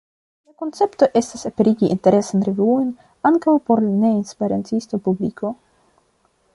La koncepto estas aperigi interesan revuon ankaŭ por ne-esperantista publiko.